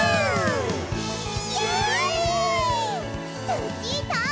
ルチータ！